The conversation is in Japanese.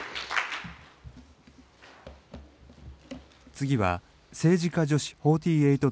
次は政治家女子４８